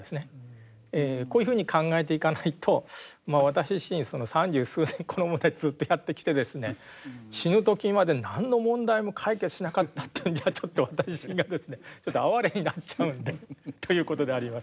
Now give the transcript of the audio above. こういうふうに考えていかないと私自身三十数年この問題ずっとやってきてですね死ぬ時まで何の問題も解決しなかったというんじゃちょっと私自身がですねちょっと哀れになっちゃうんで。ということであります。